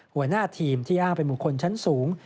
หัวหน้าทีมที่อ้างเป็นบุคคลชั้นสูง